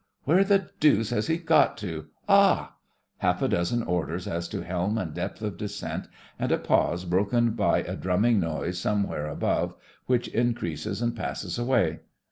Where the deuce has he got to — Ah ! (Half a dozen orders as to helm and depth of descent, and a pause broken by a drumming noise somewhere above, which increases and passes away.)